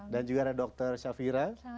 dan juga ada dr syafira